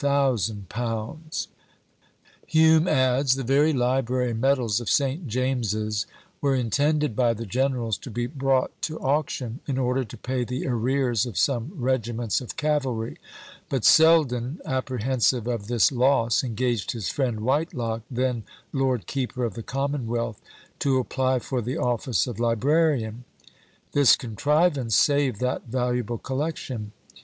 Hume adds, "the very library and medals at St. James's were intended by the generals to be brought to auction, in order to pay the arrears of some regiments of cavalry; but Selden, apprehensive of this loss, engaged his friend Whitelocke, then lord keeper of the Commonwealth, to apply for the office of librarian. This contrivance saved that valuable collection."